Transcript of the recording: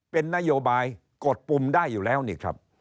เป็นนโยบายกดปุ่มได้อยู่แล้วนี่ครับ